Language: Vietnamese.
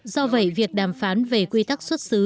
do vậy việc đàm phán về quy tắc xuất xứ